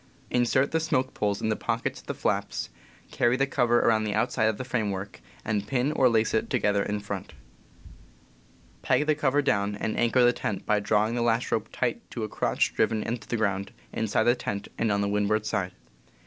Insert the smoke poles in the pockets of the flaps, carry the cover around the outside of the framework, and pin or lace it together in front. Peg the cover 76 CAMPING AND WOODCRAFT down, and anchor the tent by drawing the lash rope tight to a crotch driven into the ground inside the tent and on the windward side.